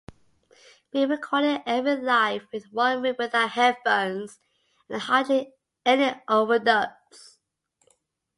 We recorded everything live, in one room without headphones and hardly any overdubs.